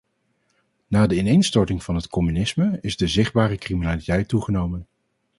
Na de ineenstorting van het communisme is de zichtbare criminaliteit toegenomen.